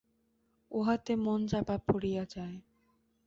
উহাতে মন চাপা পড়িয়া যায়।